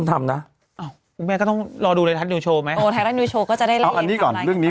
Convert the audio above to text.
ที่น้องเอาพี่ไปฝังใช่ไหมละ